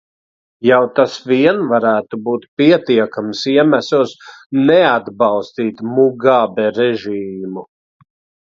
Jau tas vien varētu būt pietiekams iemesls neatbalstīt Mugabe režīmu.